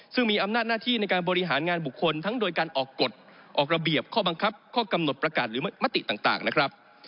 ซึ่งมีอำนาจหน้าที่ในการบริหารงานบุคคลทั้งโดยการออกกฎออกระเบียบข้อบังคับข้อกำหนดประกาศหรือมติต่างนะครับ